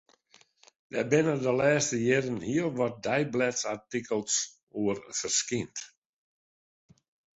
Dêr binne de lêste jierren hiel wat deiblêdartikels oer ferskynd.